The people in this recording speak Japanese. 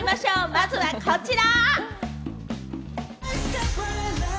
まずは、こちら。